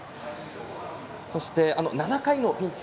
そして、７回のピンチ。